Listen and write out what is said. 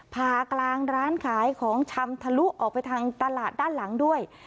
พากลางร้านขายของชำทะลุออกไปทางตลาดด้านหลังด้วย